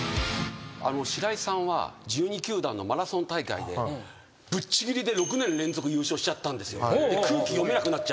白井さんは１２球団のマラソン大会でぶっちぎりで６年連続優勝しちゃったんですよ。